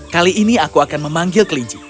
kali ini aku akan memanggil kelinci